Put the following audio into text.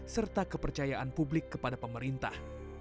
serta kepercayaan publik kepada pemerintah